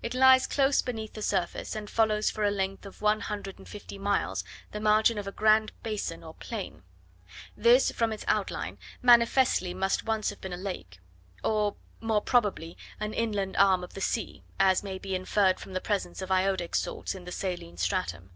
It lies close beneath the surface, and follows for a length of one hundred and fifty miles the margin of a grand basin or plain; this, from its outline, manifestly must once have been a lake, or more probably an inland arm of the sea, as may be inferred from the presence of iodic salts in the saline stratum.